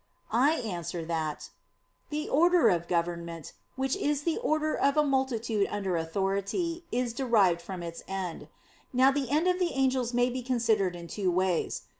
I answer that, The order of government, which is the order of a multitude under authority, is derived from its end. Now the end of the angels may be considered in two ways.